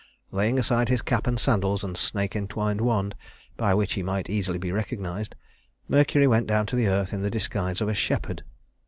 Laying aside his cap and sandals and snake entwined wand, by which he might easily be recognized, Mercury went down to the earth in the disguise of a shepherd.